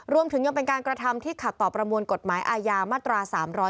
รวมถึงยังเป็นการกระทำที่ขัดต่อประมวลกฎหมายอาญามาตรา๓๕